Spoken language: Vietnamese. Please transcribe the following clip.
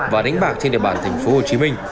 và đánh bạc trên địa bàn thành phố hồ chí minh